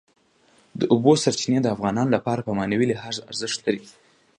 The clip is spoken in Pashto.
د اوبو سرچینې د افغانانو لپاره په معنوي لحاظ ارزښت لري.